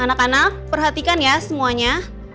anak anak perhatikan ya semuanya